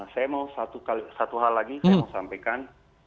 saya mau satu hal lagi saya mau sampaikan